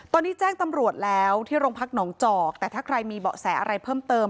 ตอนนี้แจ้งตำรวจแล้วที่โรงพักหนองจอกแต่ถ้าใครมีเบาะแสอะไรเพิ่มเติม